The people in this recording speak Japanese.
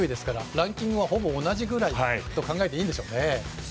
ランキングはほぼ同じくらいと考えていいんでしょうね。